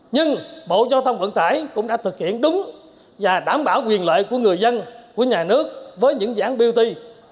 nhưng bộ giao thông vận tải cũng đã thực hiện đúng và đảm bảo quyền lợi của người dân của nhà nước với những dự án bot